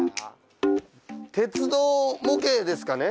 鉄道模型ですかね？